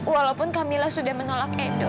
walaupun kak mila sudah menolak edo